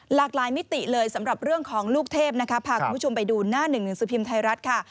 หลากหลายมิติเลยสำหรับเรื่องของลูกเทพนะคะพาคุณผู้ชมไปดูหน้าหนึ่งหนังสือพิมพ์ไทยรัฐค่ะ